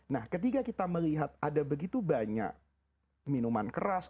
nah ketika kita melihat ada begitu banyak minuman keras